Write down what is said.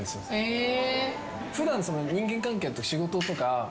へぇ。